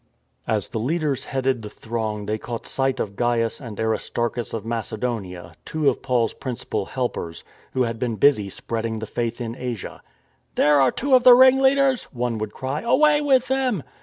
As the leaders headed the throng they caught sight of Gains and Aristarchus of Macedonia, two of Paul's principal helpers, who had been busy spreading the Faith in Asia. " There are two of the ringleaders," one would cry; " away with them."